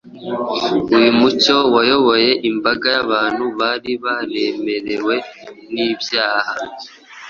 Uyu mucyo wayoboye imbaga y’abantu bari baremerewe n’ibyaha